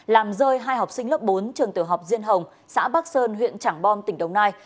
làm rơi hai học sinh lớp bốn trường tiểu học diên hồng xã bắc sơn huyện trảng bom tỉnh đồng nai